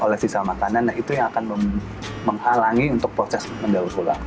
oleh sisa makanan nah itu yang akan menghalangi untuk proses mendaur ulang